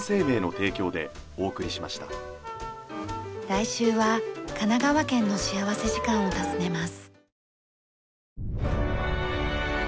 来週は神奈川県の幸福時間を訪ねます。